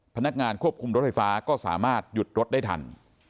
พนักงานควบคุมรถไฟฟ้าก็สามารถหยุดรถได้ทัน